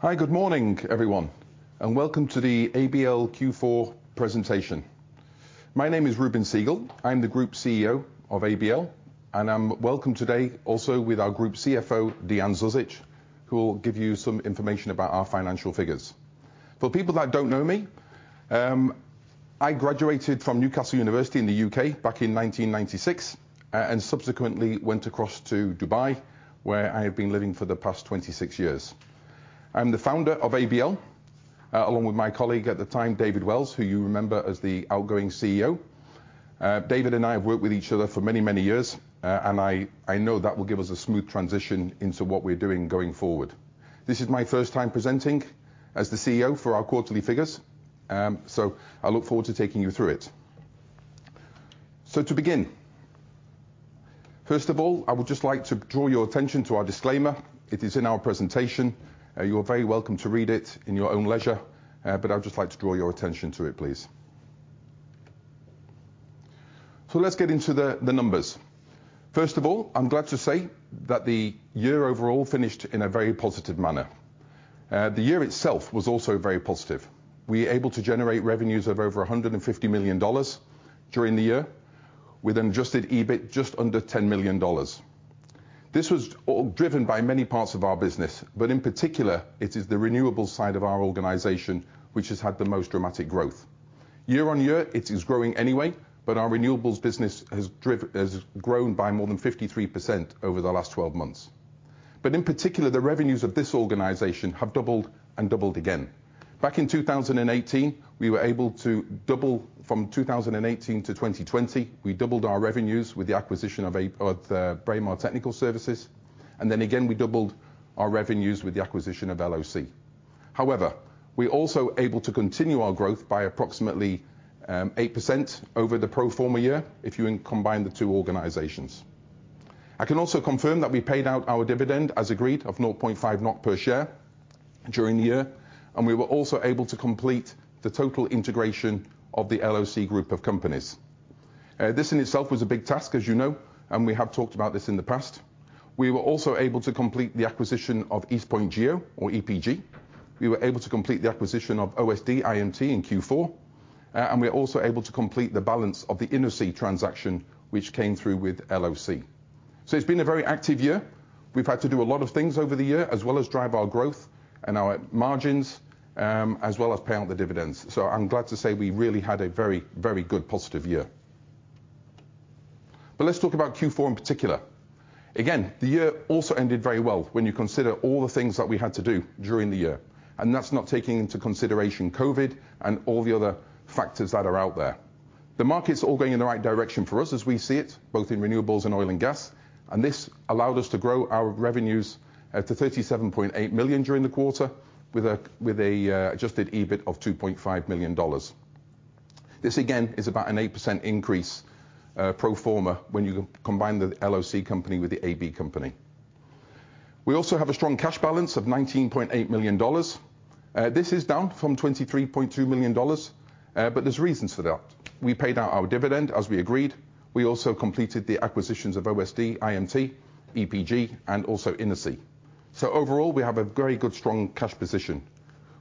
Hi. Good morning, everyone, and welcome to the ABL Q4 presentation. My name is Reuben Segal. I'm the Group CEO of ABL, and I'm welcome today also with our Group CFO, Dean Zuzic, who will give you some information about our financial figures. For people that don't know me, I graduated from Newcastle University in the U.K. back in 1996, and subsequently went across to Dubai, where I have been living for the past 26 years. I'm the founder of ABL, along with my colleague at the time, David Wells, who you remember as the outgoing CEO. David and I have worked with each other for many, many years, and I know that will give us a smooth transition into what we're doing going forward. This is my first time presenting as the CEO for our quarterly figures, so I look forward to taking you through it. To begin, first of all, I would just like to draw your attention to our disclaimer. It is in our presentation. You're very welcome to read it in your own leisure, but I would just like to draw your attention to it, please. Let's get into the numbers. First of all, I'm glad to say that the year overall finished in a very positive manner. The year itself was also very positive. We were able to generate revenues of over $150 million during the year with adjusted EBIT just under $10 million. This was all driven by many parts of our business, but in particular, it is the renewables side of our organization which has had the most dramatic growth. Year-on-year, it is growing anyway, but our renewables business has grown by more than 53% over the last 12 months. In particular, the revenues of this organization have doubled and doubled again. Back in 2018, we were able to double from 2018 to 2020. We doubled our revenues with the acquisition of Braemar Technical Services, and then again we doubled our revenues with the acquisition of LOC. However, we're also able to continue our growth by approximately 8% over the pro forma year if you combine the two organizations. I can also confirm that we paid out our dividend as agreed of 0.5 NOK per share during the year, and we were also able to complete the total integration of the LOC Group of companies. This in itself was a big task, as you know, and we have talked about this in the past. We were also able to complete the acquisition of East Point Geo, or EPG. We were able to complete the acquisition of OSD-IMT in Q4. And we were also able to complete the balance of the Innosea transaction which came through with LOC. It's been a very active year. We've had to do a lot of things over the year, as well as drive our growth and our margins, as well as pay out the dividends. I'm glad to say we really had a very, very good, positive year. Let's talk about Q4 in particular. Again, the year also ended very well when you consider all the things that we had to do during the year, and that's not taking into consideration COVID and all the other factors that are out there. The market's all going in the right direction for us as we see it, both in renewables and oil and gas, and this allowed us to grow our revenues to $37.8 million during the quarter with an adjusted EBIT of $2.5 million. This again is about an 8% increase pro forma when you combine the LOC company with the ABL company. We also have a strong cash balance of $19.8 million. This is down from $23.2 million, but there's reasons for that. We paid out our dividend as we agreed. We also completed the acquisitions of OSD-IMT, EPG, and also Innosea. Overall, we have a very good, strong cash position.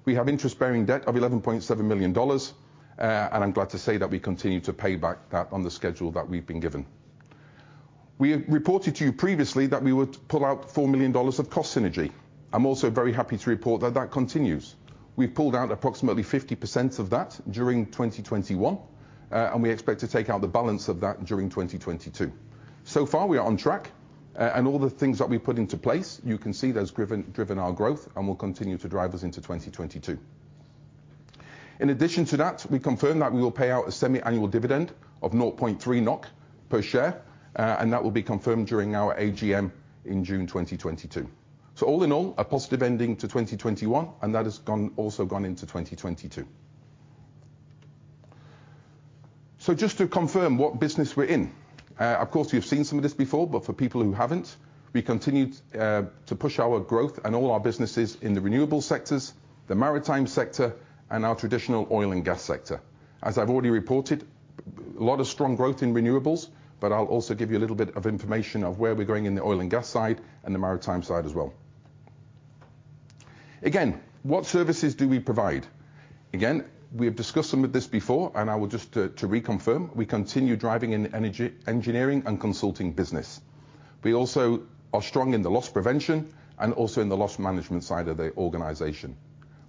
We have interest-bearing debt of $11.7 million, and I'm glad to say that we continue to pay back that on the schedule that we've been given. We reported to you previously that we would pull out $4 million of cost synergy. I'm also very happy to report that that continues. We've pulled out approximately 50% of that during 2021. We expect to take out the balance of that during 2022. So far we are on track. All the things that we put into place, you can see those driven our growth and will continue to drive us into 2022. In addition to that, we confirm that we will pay out a semiannual dividend of 0.3 NOK per share, and that will be confirmed during our AGM in June 2022. All in all, a positive ending to 2021, and that has also gone into 2022. Just to confirm what business we're in, of course you've seen some of this before, but for people who haven't, we continued to push our growth and all our businesses in the renewable sectors, the maritime sector, and our traditional oil and gas sector. As I've already reported, a lot of strong growth in renewables, but I'll also give you a little bit of information of where we're going in the oil and gas side and the maritime side as well. Again, what services do we provide? Again, we have discussed some of this before, and I will just to reconfirm, we continue driving in energy engineering and consulting business. We also are strong in the loss prevention and also in the loss management side of the organization.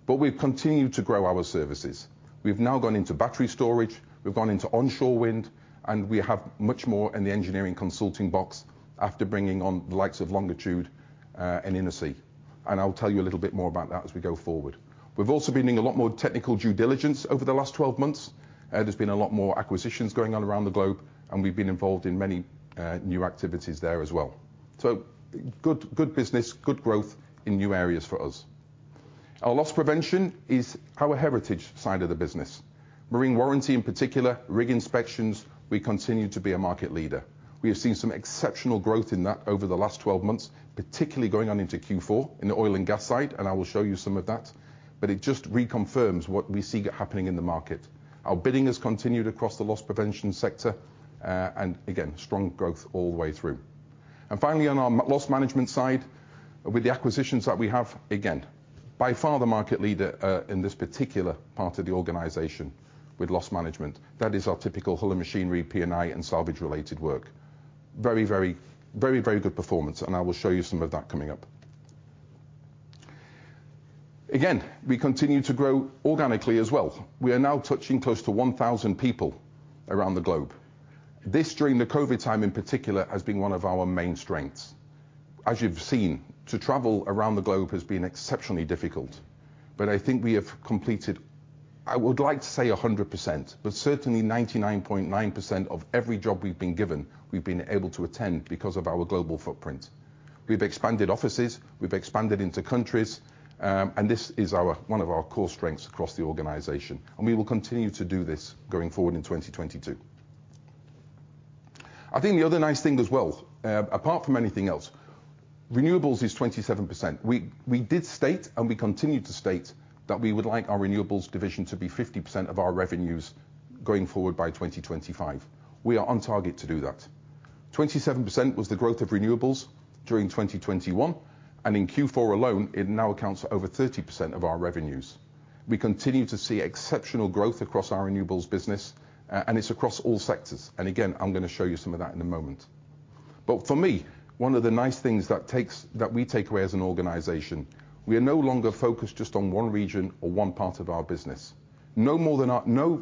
We've continued to grow our services. We've now gone into battery storage. We've gone into onshore wind, and we have much more in the engineering consulting box after bringing on the likes of Longitude and Innosea, and I'll tell you a little bit more about that as we go forward. We've also been in a lot more technical due diligence over the last twelve months. There's been a lot more acquisitions going on around the globe, and we've been involved in many new activities there as well. Good business, good growth in new areas for us. Our loss prevention is our heritage side of the business, marine warranty in particular and rig inspections. We continue to be a market leader. We have seen some exceptional growth in that over the last twelve months, particularly going on into Q4 in the oil and gas side, and I will show you some of that, but it just reconfirms what we see happening in the market. Our bidding has continued across the loss prevention sector, and again, strong growth all the way through. Finally, on our loss management side, with the acquisitions that we have, again, by far the market leader in this particular part of the organization with loss management. That is our typical hull and machinery P&I and salvage-related work. Very good performance, and I will show you some of that coming up. Again, we continue to grow organically as well. We are now touching close to 1,000 people around the globe. This, during the COVID time in particular, has been one of our main strengths. As you've seen, to travel around the globe has been exceptionally difficult, but I think we have completed, I would like to say 100%, but certainly 99.9% of every job we've been given we've been able to attend because of our global footprint. We've expanded offices, we've expanded into countries, and this is our, one of our core strengths across the organization, and we will continue to do this going forward in 2022. I think the other nice thing as well, apart from anything else, renewables is 27%. We did state and we continue to state that we would like our renewables division to be 50% of our revenues going forward by 2025. We are on target to do that. 27% was the growth of renewables during 2021, and in Q4 alone, it now accounts for over 30% of our revenues. We continue to see exceptional growth across our renewables business, and it's across all sectors. Again, I'm gonna show you some of that in a moment. For me, one of the nice things that we take away as an organization, we are no longer focused just on one region or one part of our business. No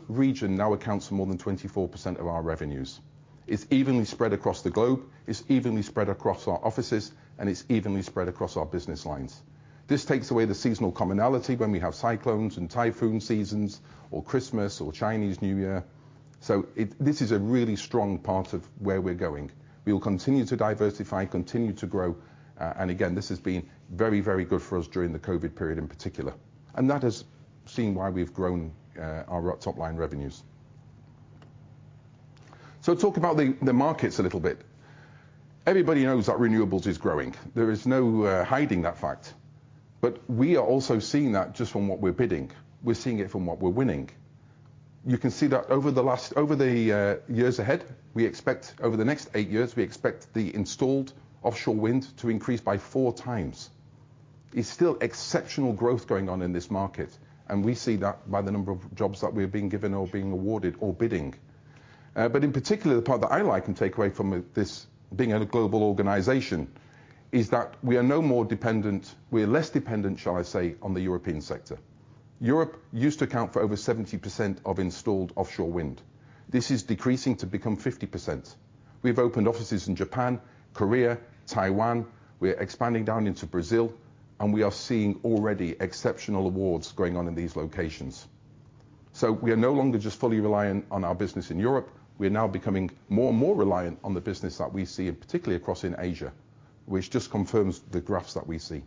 region now accounts for more than 24% of our revenues. It's evenly spread across the globe, it's evenly spread across our offices, and it's evenly spread across our business lines. This takes away the seasonal commonality when we have cyclones and typhoon seasons or Christmas or Chinese New Year. This is a really strong part of where we're going. We will continue to diversify, continue to grow, and again, this has been very, very good for us during the COVID period in particular. That has seen why we've grown our top line revenues. Talk about the markets a little bit. Everybody knows that renewables is growing. There is no hiding that fact. We are also seeing that just from what we're bidding. We're seeing it from what we're winning. You can see that over the next eight years, we expect the installed offshore wind to increase by 4x. It's still exceptional growth going on in this market, and we see that by the number of jobs that we're being given or being awarded or bidding. In particular, the part that I like and take away from this being a global organization is that we are no more dependent, we're less dependent, shall I say, on the European sector. Europe used to account for over 70% of installed offshore wind. This is decreasing to become 50%. We've opened offices in Japan, Korea, Taiwan. We're expanding down into Brazil, and we are seeing already exceptional awards going on in these locations. We are no longer just fully reliant on our business in Europe. We are now becoming more and more reliant on the business that we see, and particularly across in Asia, which just confirms the graphs that we see.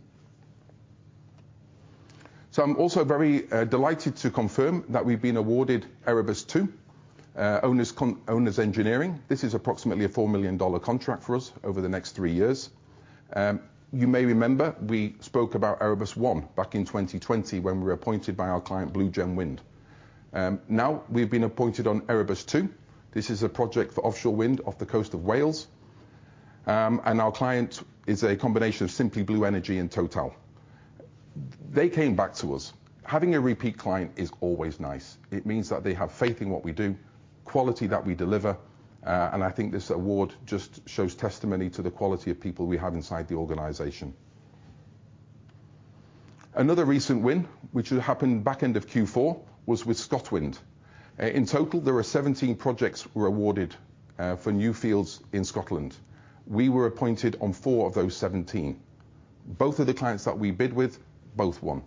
I'm also very delighted to confirm that we've been awarded Erebus 2 owners engineering. This is approximately a $4 million contract for us over the next three years. You may remember we spoke about Erebus 1 back in 2020 when we were appointed by our client Blue Gem Wind. Now we've been appointed on Erebus 2. This is a project for offshore wind off the coast of Wales. Our client is a combination of Simply Blue Energy and Total. They came back to us. Having a repeat client is always nice. It means that they have faith in what we do, quality that we deliver, and I think this award just shows testimony to the quality of people we have inside the organization. Another recent win, which had happened back end of Q4, was with ScotWind. In total, there were 17 projects awarded for new fields in Scotland. We were appointed on four of those 17. Both of the clients that we bid with, both won.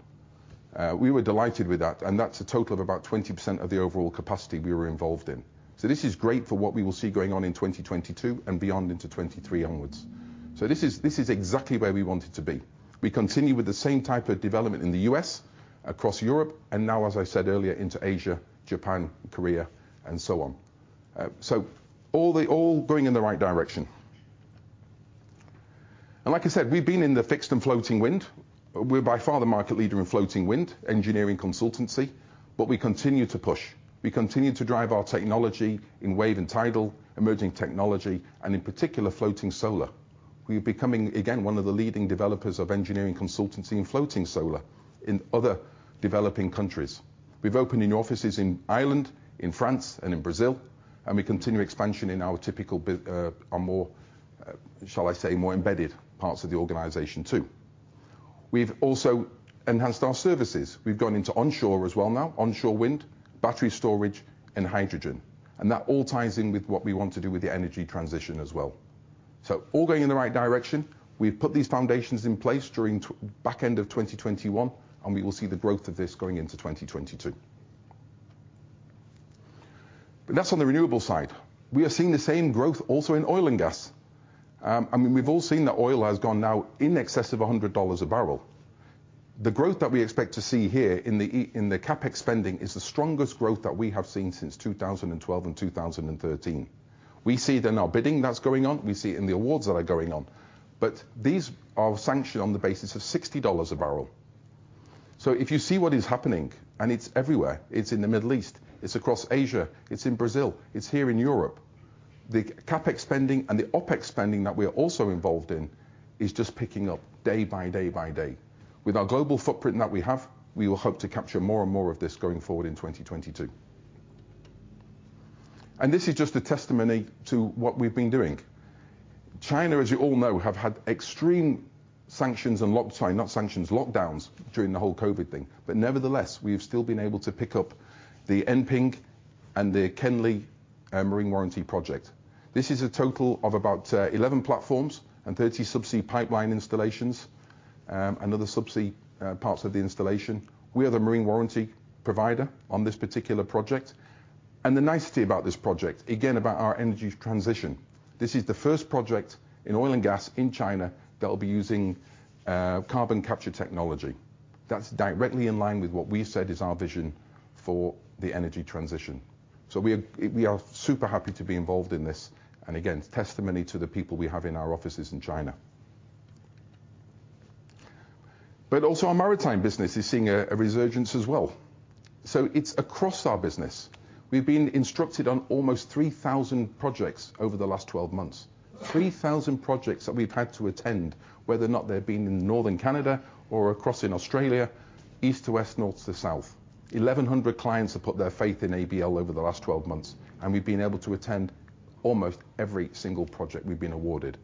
We were delighted with that, and that's a total of about 20% of the overall capacity we were involved in. This is great for what we will see going on in 2022 and beyond into 2023 onwards. This is exactly where we wanted to be. We continue with the same type of development in the U.S., across Europe, and now, as I said earlier, into Asia, Japan, Korea, and so on. All going in the right direction. Like I said, we've been in the fixed and floating wind. We're by far the market leader in floating wind engineering consultancy, but we continue to push. We continue to drive our technology in wave and tidal, emerging technology, and in particular, floating solar. We're becoming, again, one of the leading developers of engineering consultancy in floating solar in other developing countries. We've opened new offices in Ireland, in France, and in Brazil, and we continue expansion in our more, shall I say, more embedded parts of the organization too. We've also enhanced our services. We've gone into onshore as well now, onshore wind, battery storage, and hydrogen, and that all ties in with what we want to do with the energy transition as well. All going in the right direction. We've put these foundations in place during back end of 2021, and we will see the growth of this going into 2022. That's on the renewable side. We are seeing the same growth also in oil and gas. I mean, we've all seen that oil has gone now in excess of $100 a barrel. The growth that we expect to see here in the CapEx spending is the strongest growth that we have seen since 2012 and 2013. We see it in our bidding that's going on. We see it in the awards that are going on. These are sanctioned on the basis of $60 a barrel. If you see what is happening, and it's everywhere, it's in the Middle East, it's across Asia, it's in Brazil, it's here in Europe, the CapEx spending and the OpEx spending that we are also involved in is just picking up day by day by day. With our global footprint that we have, we will hope to capture more and more of this going forward in 2022. This is just a testimony to what we've been doing. China, as you all know, have had extreme lockdowns during the whole COVID thing. Nevertheless, we have still been able to pick up the Enping and the Kenli marine warranty project. This is a total of about 11 platforms and 30 subsea pipeline installations, and other subsea parts of the installation. We are the marine warranty provider on this particular project. The nicety about this project, again, about our energy transition, this is the first project in oil and gas in China that will be using carbon capture technology. That's directly in line with what we said is our vision for the energy transition. We are super happy to be involved in this, and again, testimony to the people we have in our offices in China. Also our maritime business is seeing a resurgence as well. It's across our business. We've been instructed on almost 3,000 projects over the last 12 months, 3,000 projects that we've had to attend, whether or not they've been in northern Canada or across in Australia, east to west, north to south. 1,100 clients have put their faith in ABL over the last 12 months, and we've been able to attend almost every single project we've been awarded.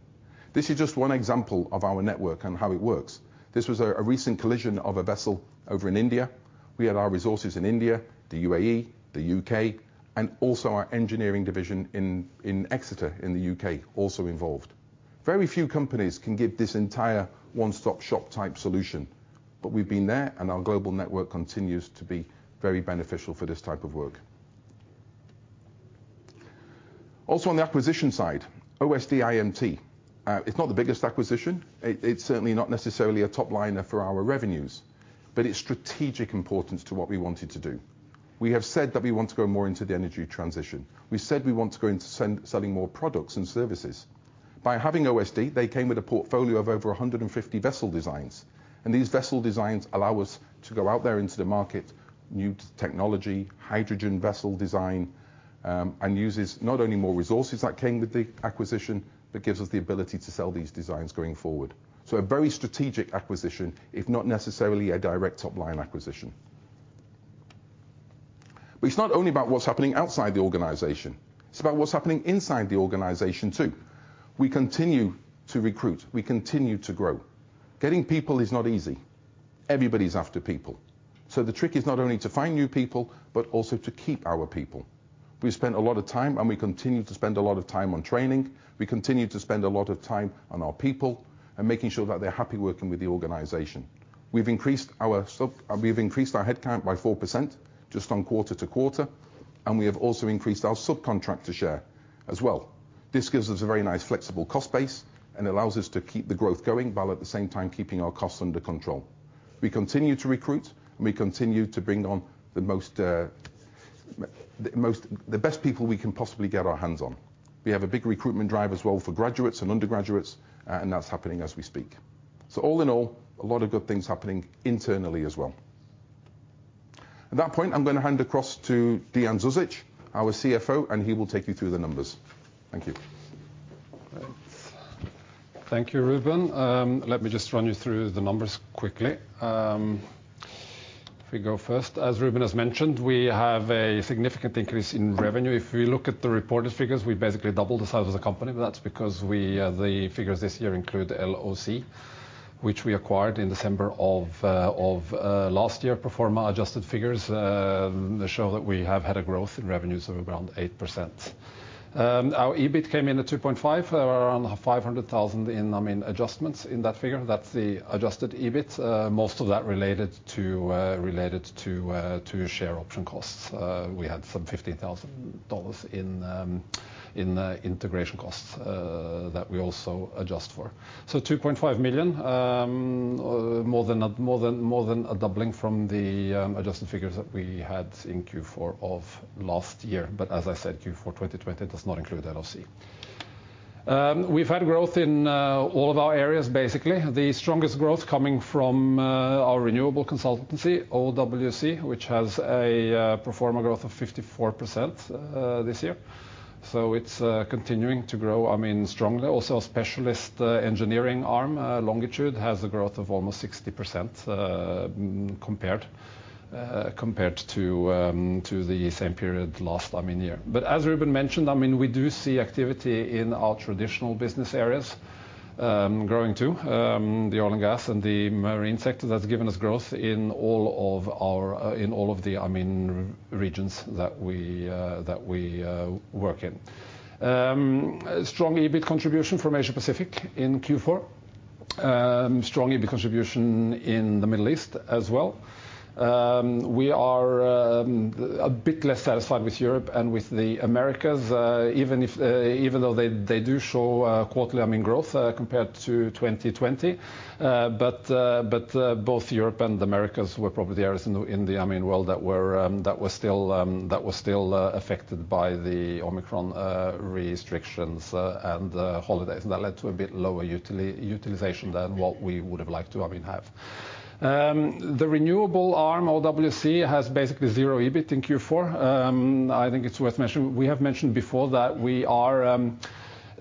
This is just one example of our network and how it works. This was a recent collision of a vessel over in India. We had our resources in India, the UAE, the U.K., and also our engineering division in Exeter in the U.K. also involved. Very few companies can give this entire one-stop shop type solution, but we've been there, and our global network continues to be very beneficial for this type of work. Also, on the acquisition side, OSD-IMT, it's not the biggest acquisition. It's certainly not necessarily a top-liner for our revenues, but its strategic importance to what we wanted to do. We have said that we want to go more into the energy transition. We said we want to go into selling more products and services. By having OSD-IMT, they came with a portfolio of over 150 vessel designs, and these vessel designs allow us to go out there into the market, new technology, hydrogen vessel design, and uses not only more resources that came with the acquisition but gives us the ability to sell these designs going forward. A very strategic acquisition, if not necessarily a direct top-line acquisition. It's not only about what's happening outside the organization, it's about what's happening inside the organization too. We continue to recruit. We continue to grow. Getting people is not easy. Everybody's after people. The trick is not only to find new people, but also to keep our people. We spent a lot of time, and we continue to spend a lot of time on training. We continue to spend a lot of time on our people and making sure that they're happy working with the organization. We've increased our headcount by 4% just on quarter-to-quarter, and we have also increased our subcontractor share as well. This gives us a very nice flexible cost base and allows us to keep the growth going while at the same time keeping our costs under control. We continue to recruit, and we continue to bring on the best people we can possibly get our hands on. We have a big recruitment drive as well for graduates and undergraduates, and that's happening as we speak. All in all, a lot of good things happening internally as well. At that point, I'm gonna hand across to Dean Zuzic, our CFO, and he will take you through the numbers. Thank you. Thank you, Reuben. Let me just run you through the numbers quickly. If we go first, as Reuben has mentioned, we have a significant increase in revenue. If we look at the reported figures, we basically doubled the size of the company, but that's because the figures this year include LOC, which we acquired in December of last year. Pro forma adjusted figures show that we have had a growth in revenues of around 8%. Our EBIT came in at 2.5 million. There are around 500,000 in, I mean, adjustments in that figure. That's the adjusted EBIT, most of that related to share option costs. We had some $15,000 in integration costs that we also adjust for. 2.5 million more than a doubling from the adjusted figures that we had in Q4 of last year. As I said, Q4 2020 does not include LOC. We've had growth in all of our areas, basically. The strongest growth coming from our renewable consultancy, OWC, which has a pro forma growth of 54% this year. It's continuing to grow, I mean, strongly. Also our specialist engineering arm, Longitude, has a growth of almost 60% compared to the same period last, I mean, year. As Reuben mentioned, I mean, we do see activity in our traditional business areas growing too. The oil and gas and the marine sector, that's given us growth in all of the, I mean, regions that we work in. Strong EBIT contribution from Asia Pacific in Q4. Strong EBIT contribution in the Middle East as well. We are a bit less satisfied with Europe and with the Americas, even though they do show quarterly, I mean, growth compared to 2020. Both Europe and the Americas were probably the areas in the, I mean, world that were still affected by the Omicron restrictions and holidays. That led to a bit lower utilization than what we would have liked to, I mean, have. The renewable arm, OWC, has basically 0 EBIT in Q4. I think it's worth mentioning. We have mentioned before that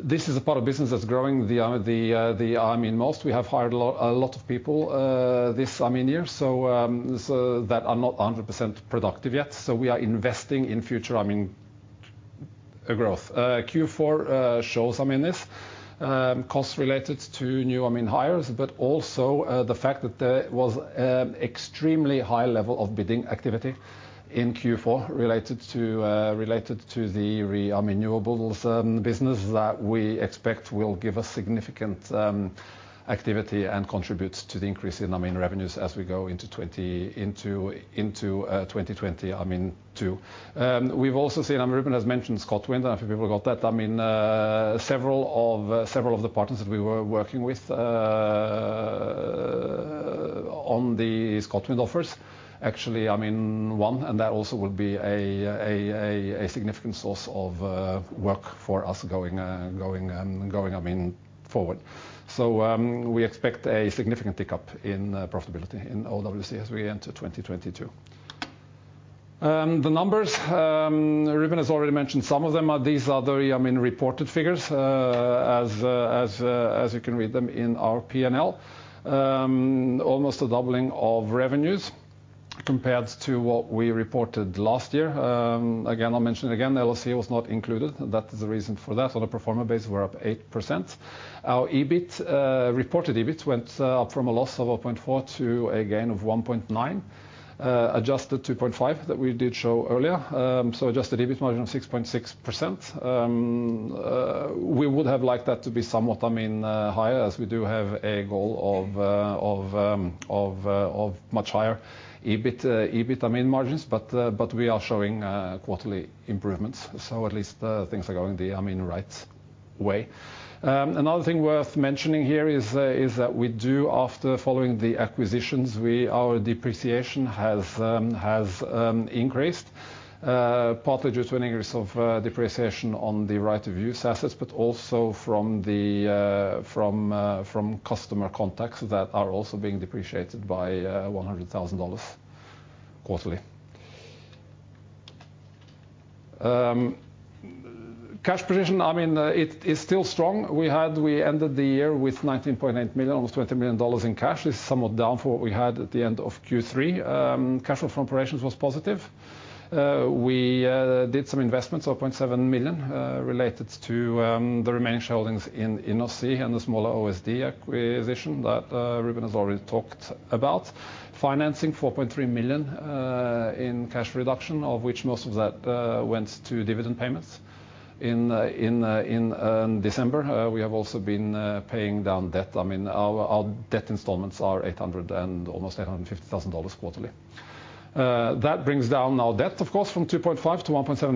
this is a part of business that's growing the, I mean, most. We have hired a lot of people this, I mean, year. They are not 100% productive yet. We are investing in future, I mean, growth. Q4 shows, I mean, this. Costs related to new, I mean, hires, but also, the fact that there was, extremely high level of bidding activity in Q4 related to the renewables business that we expect will give us significant activity and contributes to the increase in, I mean, revenues as we go into 2022. We've also seen, I mean, Reuben has mentioned ScotWind. I think people got that. I mean, several of the partners that we were working with on the ScotWind offers actually, I mean, won, and that also will be a significant source of work for us going, I mean, forward. We expect a significant pickup in profitability in OWC as we enter 2022. The numbers, Reuben has already mentioned some of them. These are the, I mean, reported figures, as you can read them in our P&L. Almost a doubling of revenues compared to what we reported last year. Again, I'll mention again, LOC was not included. That is the reason for that. On a pro forma basis, we're up 8%. Our EBIT, reported EBIT went from a loss of 0.4 to a gain of 1.9, adjusted to 0.5 that we did show earlier. Adjusted EBIT margin of 6.6%. We would have liked that to be somewhat, I mean, higher, as we do have a goal of much higher EBIT margins. We are showing quarterly improvements, so at least things are going the, I mean, right way. Another thing worth mentioning here is that we do after following the acquisitions our depreciation has increased partly due to an increase of depreciation on the right-of-use assets but also from customer contracts that are also being depreciated by $100,000 quarterly. Cash position, I mean, it is still strong. We ended the year with $19.8 million, almost $20 million in cash. It's somewhat down from what we had at the end of Q3. Cash flow from operations was positive. We did some investments of 0.7 million related to the remaining shareholdings in Innosea and the smaller OSD acquisition that Reuben has already talked about. Financing 4.3 million in cash reduction, of which most of that went to dividend payments in December. We have also been paying down debt. I mean, our debt installments are almost $850,000 quarterly. That brings down our debt, of course, from 2.5 million to 1.7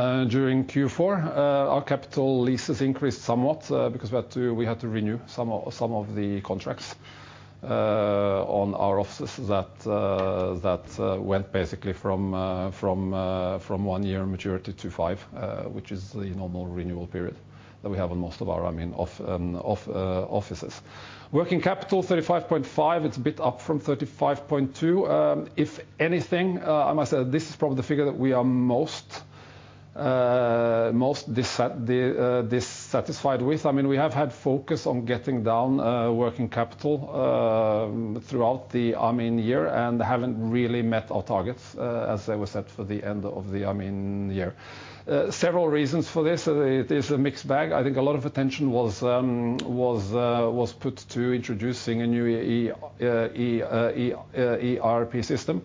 million during Q4. Our capital leases increased somewhat because we had to renew some of the contracts on our offices that went basically from one-year maturity to five, which is the normal renewal period that we have on most of our, I mean, offices. Working capital 35.5 million. It's a bit up from 35.2 million. If anything, I must say this is probably the figure that we are most dissatisfied with. I mean, we have had focus on getting down working capital throughout the, I mean, year and haven't really met our targets as they were set for the end of the, I mean, year. Several reasons for this. It is a mixed bag. I think a lot of attention was put to introducing a new ERP system,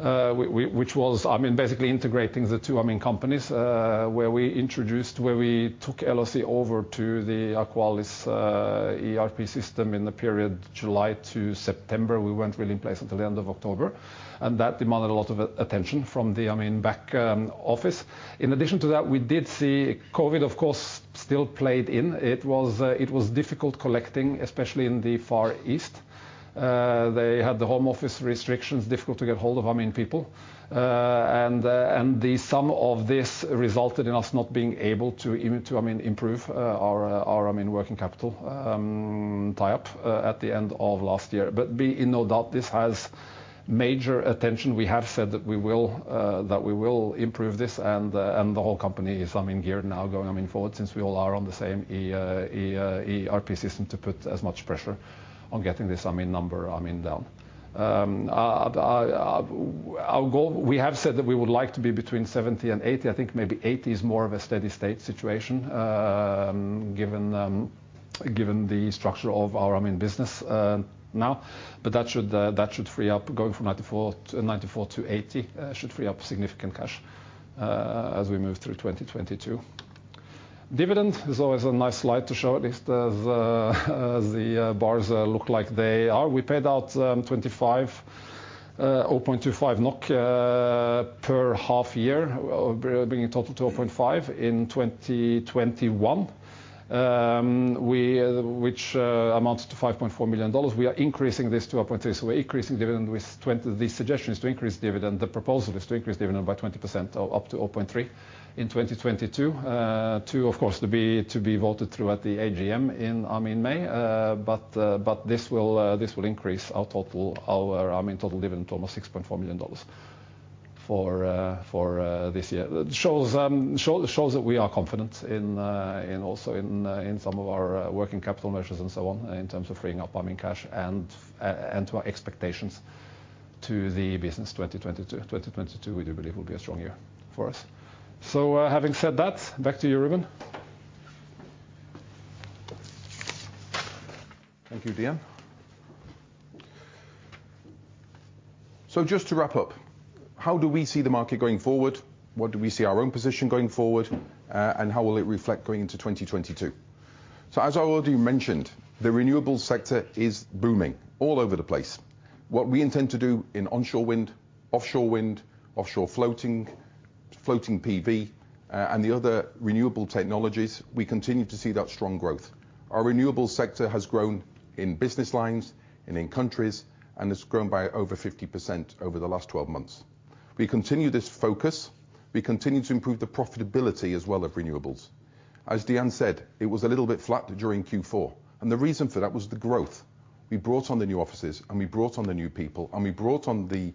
which was, I mean, basically integrating the two, I mean, companies, where we took LOC over to the Aqualis ERP system in the period July to September. We weren't really in place until the end of October, and that demanded a lot of attention from the, I mean, back office. In addition to that, we did see COVID, of course, still played in. It was difficult collecting, especially in the Far East. They had the home office restrictions, difficult to get hold of, I mean, people. The sum of this resulted in us not being able to, I mean, improve our working capital tie-up at the end of last year. Be in no doubt this has major attention. We have said that we will improve this and the whole company is, I mean, geared now going, I mean, forward since we all are on the same ERP system to put as much pressure on getting this, I mean, number, I mean, down. Our goal, we have said that we would like to be between 70 and 80. I think maybe 80 is more of a steady state situation, given the structure of our, I mean, business now. That should free up, going from 94 to 80, significant cash as we move through 2022. Dividend is always a nice slide to show at least as the bars look like they are. We paid out 0.25 NOK per half year, bringing total to 0.5 in 2021, which amounts to $5.4 million. We are increasing this to 0.3. We're increasing dividend. These suggestions to increase dividend. The proposal is to increase dividend by 20% or up to 0.3 in 2022 to, of course, be voted through at the AGM in, I mean, May. This will increase our total, I mean, total dividend to almost $6.4 million for this year. It shows that we are confident in, also in some of our working capital measures and so on, in terms of freeing up working cash and according to our expectations for the business 2022. 2022 we do believe will be a strong year for us. Having said that, back to you, Reuben. Thank you, Dean Just to wrap up, how do we see the market going forward? What do we see our own position going forward, and how will it reflect going into 2022? As I already mentioned, the renewable sector is booming all over the place. What we intend to do in onshore wind, offshore wind, offshore floating PV, and the other renewable technologies, we continue to see that strong growth. Our renewable sector has grown in business lines and in countries, and it's grown by over 50% over the last 12 months. We continue this focus. We continue to improve the profitability as well of renewables. As Dean said, it was a little bit flat during Q4, and the reason for that was the growth. We brought on the new offices, and we brought on the new people, and we brought on the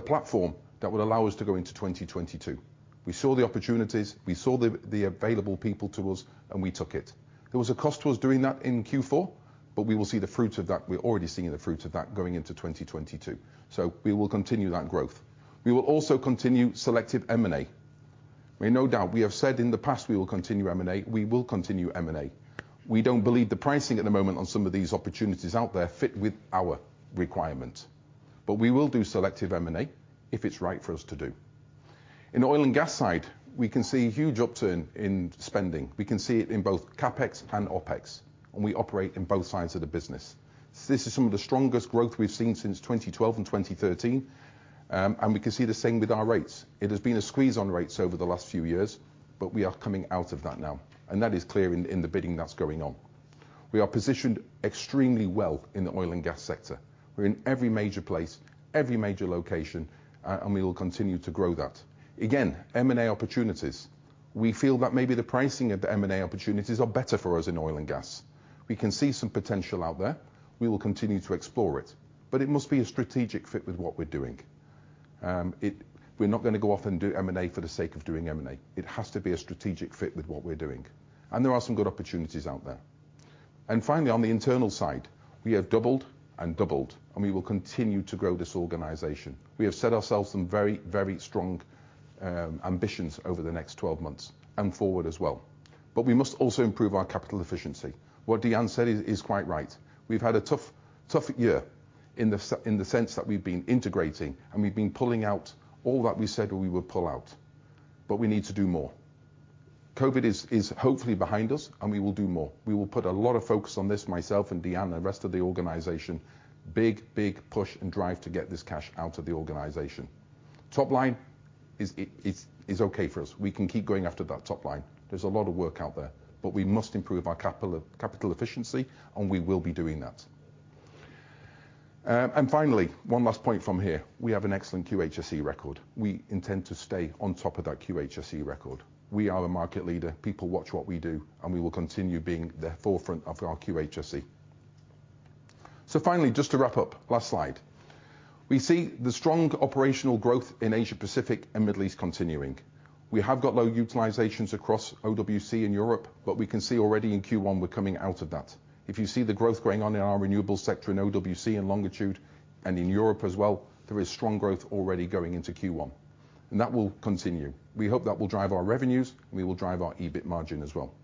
platform that would allow us to go into 2022. We saw the opportunities, we saw the available people to us, and we took it. There was a cost to us doing that in Q4, but we will see the fruits of that, we're already seeing the fruits of that going into 2022. We will continue that growth. We will also continue selective M&A. I mean, no doubt, we have said in the past we will continue M&A. We will continue M&A. We don't believe the pricing at the moment on some of these opportunities out there fit with our requirement. We will do selective M&A if it's right for us to do. In the oil and gas side, we can see huge upturn in spending. We can see it in both CapEx and OpEx, and we operate in both sides of the business. This is some of the strongest growth we've seen since 2012 and 2013, and we can see the same with our rates. It has been a squeeze on rates over the last few years, but we are coming out of that now. That is clear in the bidding that's going on. We are positioned extremely well in the oil and gas sector. We're in every major place, every major location, and we will continue to grow that. Again, M&A opportunities. We feel that maybe the pricing of the M&A opportunities are better for us in oil and gas. We can see some potential out there. We will continue to explore it. It must be a strategic fit with what we're doing. We're not gonna go off and do M&A for the sake of doing M&A. It has to be a strategic fit with what we're doing. There are some good opportunities out there. Finally, on the internal side, we have doubled, and we will continue to grow this organization. We have set ourselves some very strong ambitions over the next 12 months and forward as well. We must also improve our capital efficiency. What Dean said is quite right. We've had a tough year in the sense that we've been integrating, and we've been pulling out all that we said we would pull out. We need to do more. COVID is hopefully behind us, and we will do more. We will put a lot of focus on this, myself and Dean and the rest of the organization, big push and drive to get this cash out of the organization. Top line is okay for us. We can keep going after that top line. There's a lot of work out there. We must improve our capital efficiency, and we will be doing that. Finally, one last point from here. We have an excellent QHSE record. We intend to stay on top of that QHSE record. We are a market leader. People watch what we do, and we will continue being the forefront of our QHSE. Finally, just to wrap up, last slide. We see the strong operational growth in Asia Pacific and Middle East continuing. We have got low utilizations across OWC and Europe, but we can see already in Q1 we're coming out of that. If you see the growth going on in our renewables sector in OWC and Longitude and in Europe as well, there is strong growth already going into Q1, and that will continue. We hope that will drive our revenues, and we will drive our EBIT margin as well.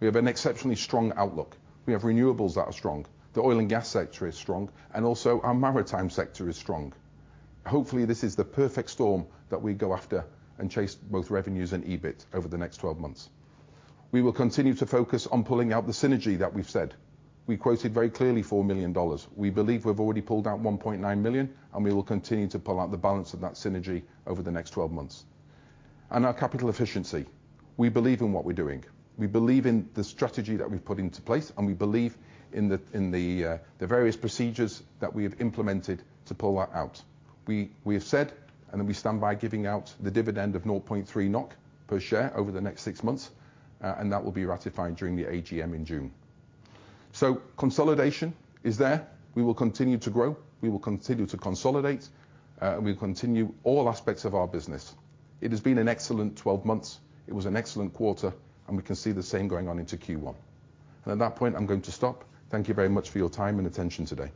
We have an exceptionally strong outlook. We have renewables that are strong. The oil and gas sector is strong, and also our maritime sector is strong. Hopefully, this is the perfect storm that we go after and chase both revenues and EBIT over the next 12 months. We will continue to focus on pulling out the synergy that we've said. We quoted very clearly $4 million. We believe we've already pulled out 1.9 million, and we will continue to pull out the balance of that synergy over the next 12 months. Our capital efficiency. We believe in what we're doing. We believe in the strategy that we've put into place, and we believe in the various procedures that we have implemented to pull that out. We have said and that we stand by giving out the dividend of 0.3 NOK per share over the next six months, and that will be ratified during the AGM in June. Consolidation is there. We will continue to grow. We will continue to consolidate, and we'll continue all aspects of our business. It has been an excellent 12 months. It was an excellent quarter, and we can see the same going on into Q1. At that point, I'm going to stop. Thank you very much for your time and attention today.